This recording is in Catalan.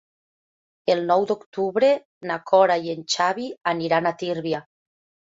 El nou d'octubre na Cora i en Xavi aniran a Tírvia.